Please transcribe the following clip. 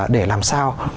để làm sao